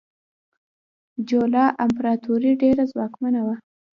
چولا امپراتوري ډیره ځواکمنه وه.